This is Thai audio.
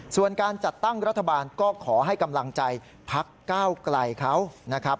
ส่วนการจัดตั้งรัฐบาลก็ขอให้กำลังใจพักก้าวไกลเขานะครับ